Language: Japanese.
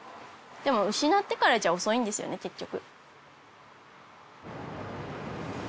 でも失ってからじゃ遅いんですよね結局。